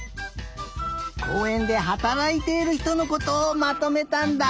こうえんではたらいているひとのことをまとめたんだ。